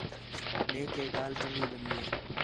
میک ہے ڳالھ چنڳی لڳی ہِے